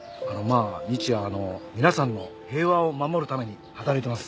日夜皆さんの平和を守るために働いてます。